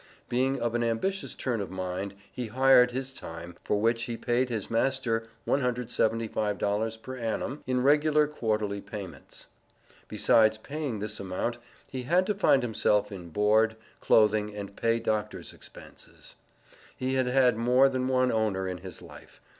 Being of an ambitious turn of mind, he hired his time, for which he paid his master $175 per annum in regular quarterly payments. Besides paying this amount, he had to find himself in board, clothing, and pay doctor's expenses. He had had more than one owner in his life.